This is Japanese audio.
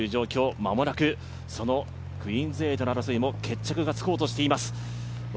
間もなく、クイーンズ８も決着がつこうとしています。